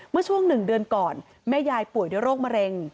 เมื่อช่วง๑เดือนก่อนแม่ยายป่วยด้วยโรคมะเร็ง